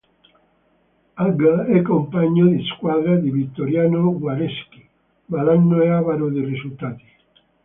Haga è compagno di squadra di Vittoriano Guareschi ma l'anno è avaro di risultati.